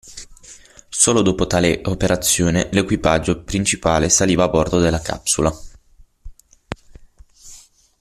Solo dopo tale operazione l'equipaggio principale saliva a bordo della capsula.